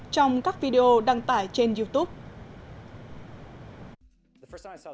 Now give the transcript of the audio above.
trong các video đăng tải trên youtube